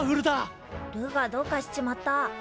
ルーがどうかしちまった。